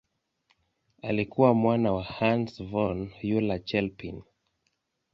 Alikuwa mwana wa Hans von Euler-Chelpin.